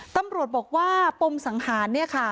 ตำรวจบอกว่ามค์ปมสังฆาน